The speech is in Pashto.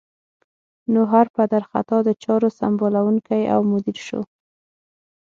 نو هر پدر خطا د چارو سمبالوونکی او مدیر شو.